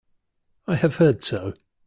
I have heard so.